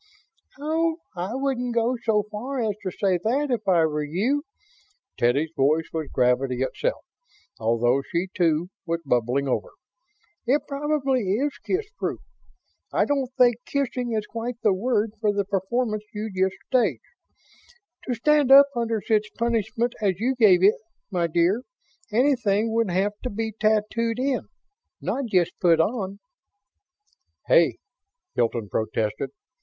"Oh, I wouldn't go so far as to say that, if I were you." Teddy's voice was gravity itself, although she, too, was bubbling over. "It probably is kissproof. I don't think 'kissing' is quite the word for the performance you just staged. To stand up under such punishment as you gave it, my dear, anything would have to be tattooed in, not just put on." "Hey!" Hilton protested.